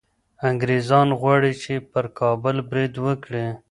انګریزان غواړي چي پر کابل برید وکړي.